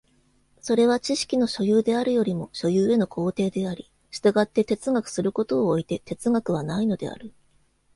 それは知識の所有であるよりも所有への行程であり、従って哲学することを措いて哲学はないのである。